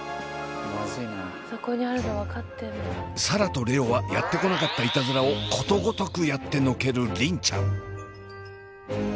紗蘭と蓮音はやってこなかったイタズラをことごとくやってのける梨鈴ちゃん。